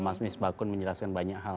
mas mis bakun menjelaskan banyak hal